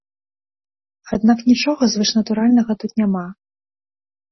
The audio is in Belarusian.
Аднак нічога звышнатуральнага тут няма.